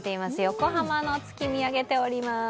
横浜の月、見上げております。